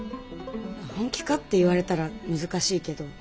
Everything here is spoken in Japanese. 本気かって言われたら難しいけど。